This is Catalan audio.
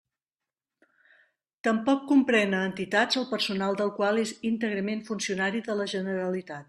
Tampoc comprén a entitats el personal del qual és íntegrament funcionari de la Generalitat.